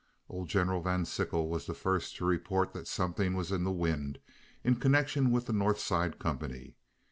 Old General Van Sickle was the first to report that something was in the wind in connection with the North Side company.